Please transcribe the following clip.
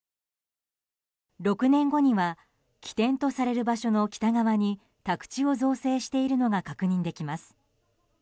６年後には起点とされる場所の北側に宅地を造成しているのが確認できます。